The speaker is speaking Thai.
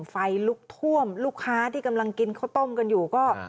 ไฟลุกท่วมลูกค้าที่กำลังกินข้าวต้มกันอยู่ก็